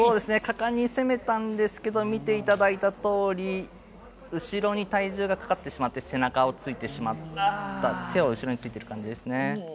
果敢に攻めたんですけど見ていただいたとおり後ろに体重がかかってしまって背中をついてしまった手を後ろについている感じですね。